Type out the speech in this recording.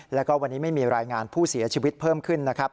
แล้วก็วันนี้ไม่มีรายงานผู้เสียชีวิตเพิ่มขึ้นนะครับ